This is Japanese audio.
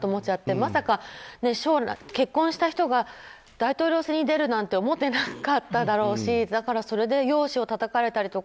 まさか結婚した人が大統領選に出るなんて思ってなかっただろうしだから、それで容姿をたたかれたりとか。